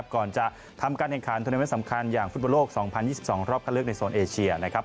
ก่อนจะทำการเองคราลทวนิเมนต์สำคัญอย่างฟุตบอลโลก๒๐๒๒รอบทะเลิกในโซนเอเชีย